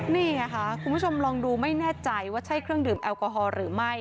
นี่ไงค่ะคุณผู้ชมลองดูไม่แน่ใจว่าใช่เครื่องดื่มแอลกอฮอล์หรือไม่